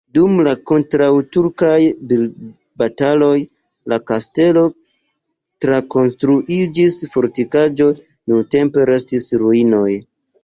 Dum la kontraŭturkaj bataloj la kastelo trakonstruiĝis fortikaĵo, nuntempe restis ruinoj.